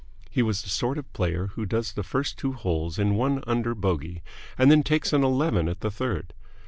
He was the sort of player who does the first two holes in one under bogey and then takes an eleven at the third.